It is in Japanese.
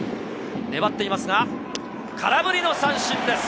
粘っていますが、空振りの三振です。